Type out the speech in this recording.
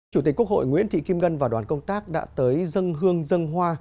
chủ tịch quốc hội nguyễn thị kim ngân và đoàn công tác đã tới dân hương dân hoa